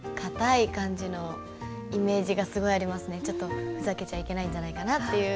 ちょっとふざけちゃいけないんじゃないかなという。